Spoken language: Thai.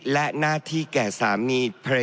และหน้าที่แก่สามี